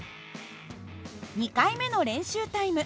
２回目の練習タイム。